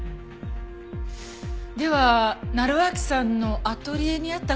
では成章さんのアトリエにあった紅茶はどなたが？